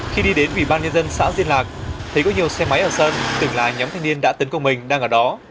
khi đi đến vị ban nhân dân xã diên lạc thấy có nhiều xe máy ở sân tưởng là nhóm thanh niên đã tấn công mình đang ở đó